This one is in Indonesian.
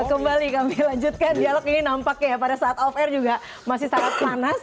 kembali kami lanjutkan dialog ini nampaknya pada saat off air juga masih sangat panas